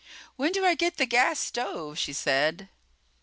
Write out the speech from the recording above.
"When do I get the gas stove?" she said.